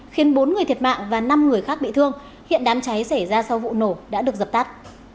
khiến bốn người thiệt mạng và năm người khác bị thương hiện đám cháy xảy ra sau vụ nổ đã được dập tắt